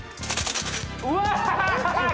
うわ！